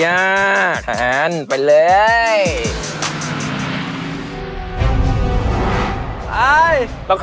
อยากจะเอาความวันมาก